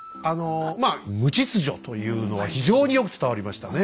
まあ無秩序というのは非常によく伝わりましたね。